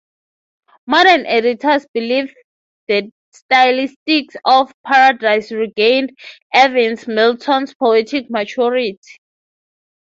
Modern editors believe the stylistics of "Paradise Regained" evince Milton's poetic maturity.